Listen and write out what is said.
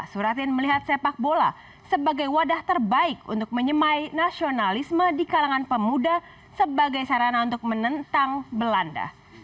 suratin melihat sepak bola sebagai wadah terbaik untuk menyemai nasionalisme di kalangan pemuda sebagai sarana untuk menentang belanda